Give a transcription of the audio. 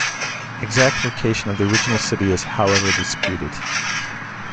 Exact location of the original city is however disputed.